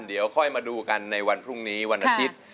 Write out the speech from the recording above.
เดี๋ยวค่อยมาดูกันในวันพรุ่งนี้วันอาทิตย์